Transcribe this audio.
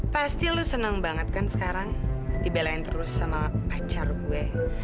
pasti lu seneng banget kan sekarang dibelain terus sama pacar gue